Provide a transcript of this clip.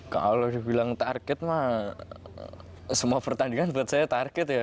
kalau dibilang target mah semua pertandingan buat saya target ya